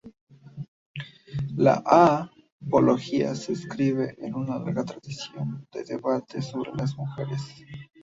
La A"pología" se inscribe en una larga tradición de debate sobre las mujeres.